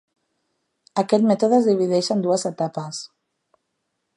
Aquest mètode es divideix en dues etapes.